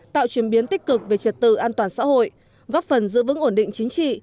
tạo truyền biến tích cực về trật tự an toàn xã hội góp phần giữ vững ổn định chính trị